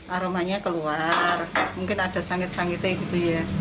aromanya keluar mungkin ada sangit sangitnya gitu ya